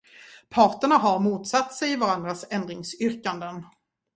Parterna har motsatt sig varandras ändringsyrkanden.